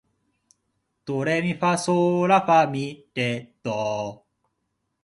ドレミファソーラファ、ミ、レ、ドー